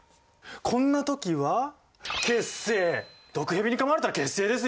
こんな時は毒蛇にかまれたら血清ですよ！